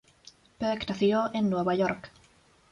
Burke nació en Nueva York.